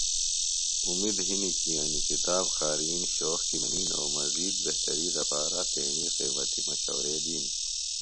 اومِد ہنیۡ کی انیۡ کتاب قارئین شوق کی منِین او مزید بہتری دپارہ تیݨی قیمتی مشورے دِین